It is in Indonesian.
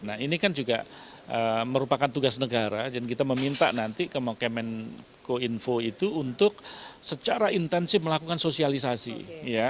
nah ini kan juga merupakan tugas negara dan kita meminta nanti kemenko info itu untuk secara intensif melakukan sosialisasi ya